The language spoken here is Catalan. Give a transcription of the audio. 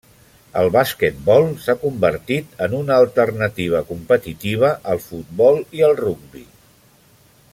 El basquetbol s'ha convertit en una alternativa competitiva al futbol i al rugbi.